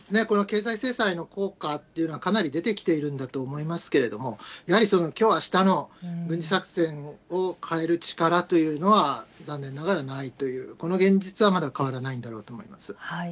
この経済制裁の効果っていうのは、かなり出てきているんだと思うんですけれども、やはり、きょう、あしたの軍事作戦を変える力というのは、残念ながらないという、この現実は、まだ変わらないんだろうと思います。